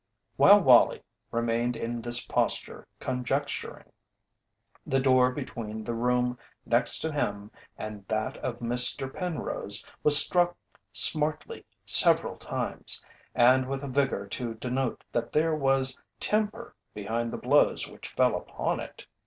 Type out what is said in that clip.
While Wallie remained in this posture conjecturing, the door between the room next to him and that of Mr. Penrose was struck smartly several times, and with a vigour to denote that there was temper behind the blows which fell upon it.